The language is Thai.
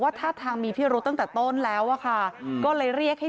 ท่าทางมีพิรุษตั้งแต่ต้นแล้วอะค่ะก็เลยเรียกให้